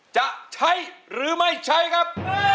จะใช้หรือไม่ใช้ครับ